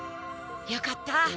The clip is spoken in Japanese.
よかった！